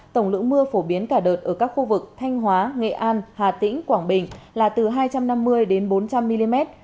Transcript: tổng lượng mưa phổ biến cả đợt ở các khu vực thanh hóa nghệ an hà tĩnh quảng bình là từ hai trăm năm mươi đến bốn trăm linh mm